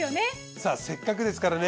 さあせっかくですからね。